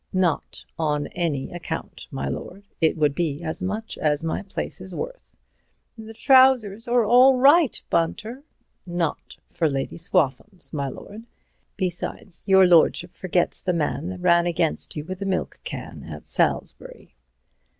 "Not on any account, my lord. It would be as much as my place is worth." "The trousers are all right, Bunter." "Not for Lady Swaffham's, my lord. Besides, your lordship forgets the man that ran against you with a milk can at Salisbury."